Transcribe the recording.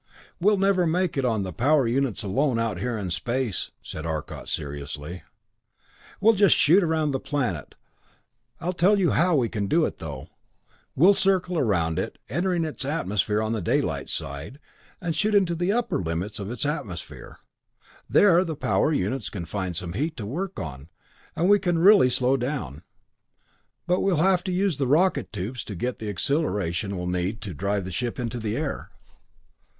"We'll never make it on the power units alone, out here in space," said Arcot seriously. "We'll just shoot around the planet. I'll tell you how we can do it, though. We'll circle around it, entering its atmosphere on the daylight side, and shoot into the upper limits of its atmosphere. There the power units can find some heat to work on, and we can really slow down. But we'll have to use the rocket tubes to get the acceleration we'll need to drive the ship into the air."